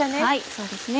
そうですね。